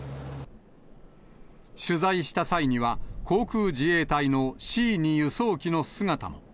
取材した際には、航空自衛隊のＣー２輸送機の姿も。